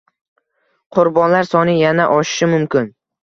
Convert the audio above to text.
Qurbonlar soni yana oshishi mumkin